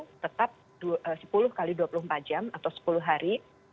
tetap sepuluh x dua puluh empat jam atau sepuluh hari